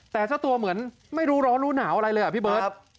แต่เจ้าตัวเหมือนไม่รู้ร้อนรู้หนาวอะไรเลยอ่ะพี่เบิร์ต